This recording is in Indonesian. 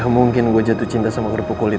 gak mungkin gue jatuh cinta sama kerupuk kulit